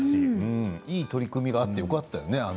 いい取り組みがあってよかったですね。